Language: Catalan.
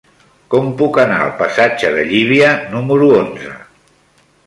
Com puc anar al passatge de Llívia número onze?